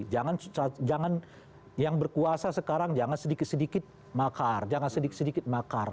jangan yang berkuasa sekarang jangan sedikit sedikit makar